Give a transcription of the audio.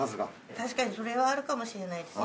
確かにそれはあるかもしれないですね。